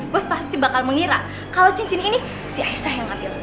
bos pasti bakal mengira kalo cincin ini si aisyah yang ngambil